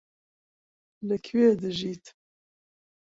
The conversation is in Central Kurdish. لەکوێ دژیت؟